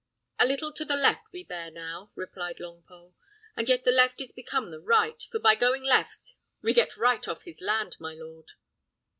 "A little to the left we bear now," replied Longpole; "and yet the left is become the right, for by going left we get right off his land, my lord."